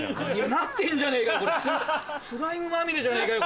なってんじゃねえかよ